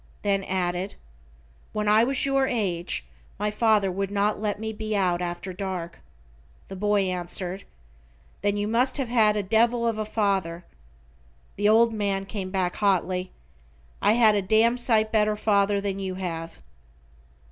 Then added: "When I was your age my father would not let me be out after dark." The boy answered: "Then you must have had a devil of a father." The old man came back hotly: "I had a damn sight better father than you have."